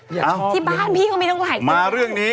ฮะที่บ้านพี่ก็ไม่ต้องหายตัว